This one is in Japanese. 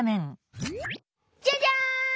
「じゃじゃん！